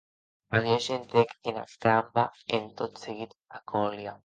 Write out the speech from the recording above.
Aliosha entrèc ena cramba en tot seguir a Kolia.